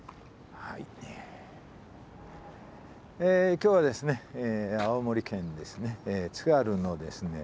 今日はですね青森県津軽のですね